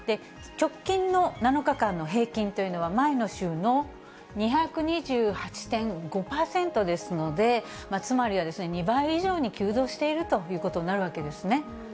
直近の７日間の平均というのは、前の週の２２８．５％ですので、つまりは２倍以上に急増しているということになるわけですね。